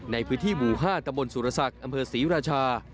ในพื้นที่หมู่๕ตะบนสุรศักดิ์อำเภอศรีราชา